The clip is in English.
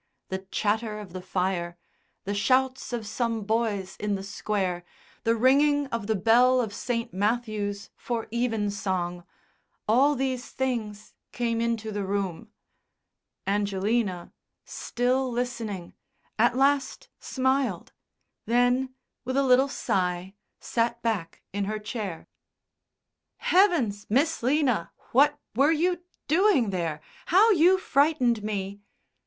The chatter of the fire, the shouts of some boys in the Square, the ringing of the bell of St. Matthew's for evensong, all these things came into the room. Angelina, still listening, at last smiled; then, with a little sigh, sat back in her chair. "Heavens! Miss 'Lina! What were you doing there? How you frightened me!"